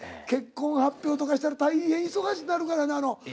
結婚発表とかしたら大変忙しなるからな。